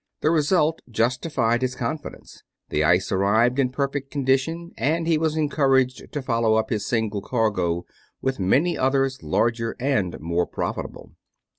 The result justified his confidence. The ice arrived in perfect condition, and he was encouraged to follow up his single cargo with many others larger and more profitable.